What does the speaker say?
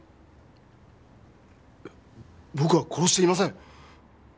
えっ僕は殺していません。